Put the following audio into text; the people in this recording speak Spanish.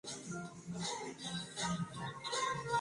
La terminal cuenta con Internet WirelessWi-Fi gratuito.